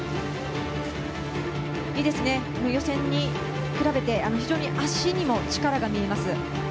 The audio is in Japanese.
予選に比べて非常に足にも力が見えます。